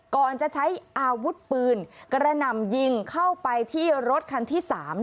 ก่อนจะใช้อาวุธปืนกระหน่ำยิงเข้าไปที่รถคันที่๓